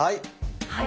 はい。